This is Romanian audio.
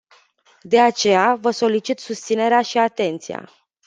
De aceea, vă solicit susținerea și atenția.